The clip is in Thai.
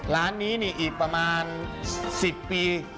ร้านนี้นี่อีกประมาณ๑๐ปี